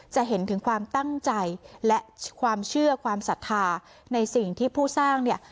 จะเห็นถึงความตั้งใจและความเชื่อความศรัทธาในสิ่งที่ผู้สร้างเนี่ย